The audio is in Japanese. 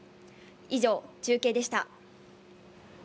以上、中継でした。